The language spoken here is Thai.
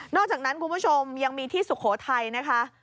อกจากนั้นคุณผู้ชมยังมีที่สุโขทัยนะคะ